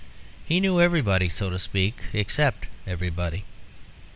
He knew everybody, so to speak, except everybody.